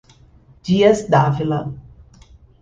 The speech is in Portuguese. Dias D´ávila